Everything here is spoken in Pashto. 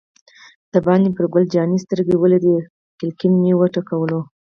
دباندې مې پر ګل جانې سترګې ولګېدې، کړکۍ مې و ټکول.